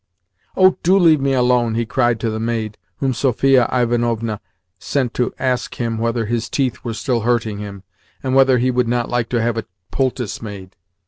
"Oh, DO leave me alone!" he cried to the maid whom Sophia Ivanovna sent to ask him whether his teeth were still hurting him, and whether he would not like to have a poultice made.